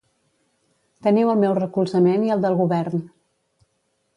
Teniu el meu recolzament i el del govern.